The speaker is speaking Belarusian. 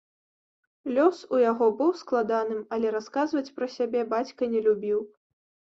Лёс у яго быў складаным, але расказваць пра сябе бацька не любіў.